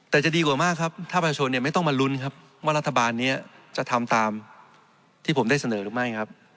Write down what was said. แต่จะดีกว่ามากถ้าประชนไม่ต้องมาลุ้นว่ารัฐบาลนี้จะทำตามที่ผมได้เสนอหรือไม่